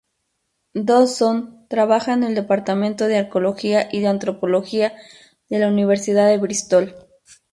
Dodson trabaja en el departamento de Arqueología y Antropología de la Universidad de Bristol.